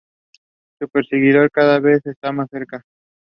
South African batsman Hashim Amla was rolled in to lead the international stars.